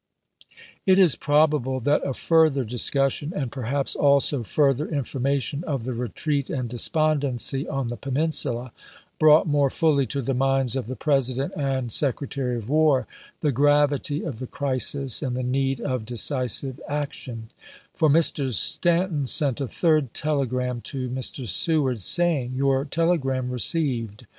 It is probable that a further discussion, and per haps also fm'ther information of the retreat and de spondency on the Peninsula, brought more fully to the minds of the President and Secretary of War the gravity of the crisis and the need of decisive action ; for Mr. Stanton sent a third telegram to Mr. Seward saying :" Your telegram received.